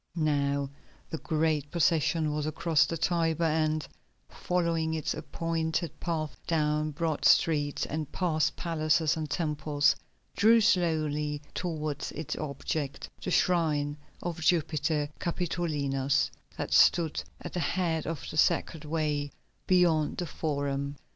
Now the great procession was across the Tiber, and, following its appointed path down broad streets and past palaces and temples, drew slowly towards its object, the shrine of Jupiter Capitolinus, that stood at the head of the Sacred Way beyond the Forum.